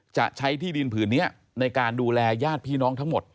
จะใช้ที่ดินผืนนี้ในการดูแลญาติพี่น้องทั้งหมด